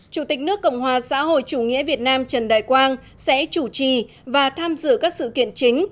chủ tịch nước cộng hòa xã hội chủ nghĩa việt nam trần đại quang sẽ chủ trì và tham dự các sự kiện chính